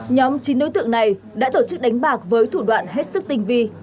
nhóm chín đối tượng này đã tổ chức đánh bạc với thủ đoạn hết sức tinh vi